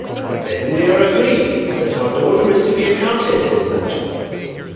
"Then we are agreed that our daughter is to be a countess," said Sancho.